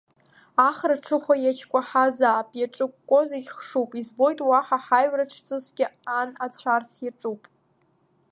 Ахра-ҽыхәа иачкәаҳазаап, иаҿыкәкәо зегь хшуп, избоит уаҟа ҳаҩра-ҽҵыскгьы ан ацәарц иаҿуп.